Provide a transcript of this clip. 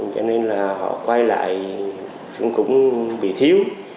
cho nên là họ quay lại cũng bị thiếu